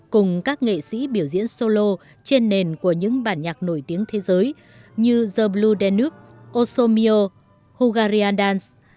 cùng các nghệ sĩ biểu diễn solo trên nền của những bản nhạc nổi tiếng thế giới như the blue danube osomio hungarian dance